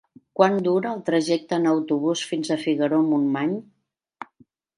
Quant dura el trajecte en autobús fins a Figaró-Montmany?